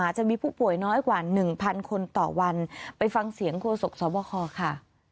จะมีผู้ป่วยน้อยกว่า๑๐๐คนต่อวันไปฟังเสียงโฆษกสวบคค่ะ